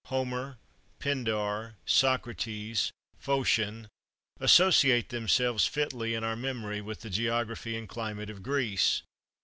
Homer, Pindar, Socrates, Phocion, associate themselves fitly in our memory with the geography and climate of Greece.